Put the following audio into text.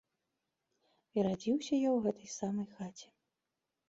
І радзіўся я ў гэтай самай хаце.